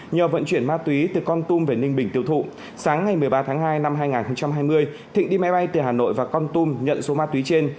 nhờ vận chuyển ma túy từ con tum về ninh bình tiêu thụ sáng ngày một mươi ba tháng hai năm hai nghìn hai mươi thịnh đi máy bay từ hà nội và con tum nhận số ma túy trên